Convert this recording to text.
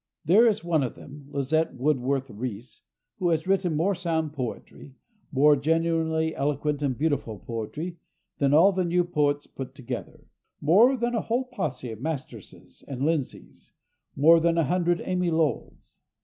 There is one of them, Lizette Woodworth Reese, who has written more sound poetry, more genuinely eloquent and beautiful poetry, than all the new poets put together—more than a whole posse of Masterses and Lindsays, more than a hundred Amy Lowells.